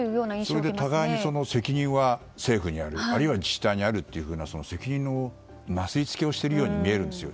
それで互いに責任は政府にあるあるいは自治体にあるという責任のなすりつけをしているように思うんですよ。